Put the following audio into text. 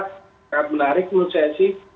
sangat menarik menurut saya sih